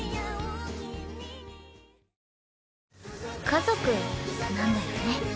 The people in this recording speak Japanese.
家族なんだよね。